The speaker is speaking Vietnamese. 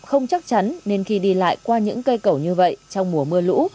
không chắc chắn nên khi đi lại qua những cây cầu như vậy trong mùa mưa lũ